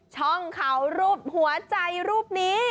ช่องเขารูปหัวใจรูปนี้